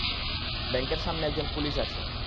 ব্যাংকের সামনে একজন পুলিশ আছে।